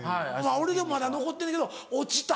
俺でもまだ残ってんねんけど落ちた。